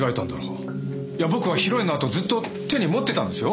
いや僕は披露宴のあとずっと手に持ってたんですよ。